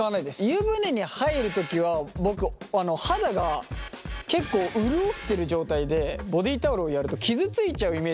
湯船に入る時は僕肌が結構潤ってる状態でボディータオルをやると傷ついちゃうイメージがあるんですよ。